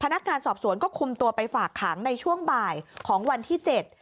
นักการสอบสวนก็คุมตัวไปฝากขังในช่วงบ่ายของวันที่เจ็ด